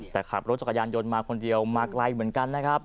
แต่ขับรถจักรยานยนต์มาคนเดียวมาไกลเหมือนกันนะครับ